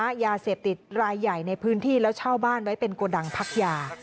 ค้ายาเสพติดรายใหญ่ในพื้นที่แล้วเช่าบ้านไว้เป็นโกดังพักยา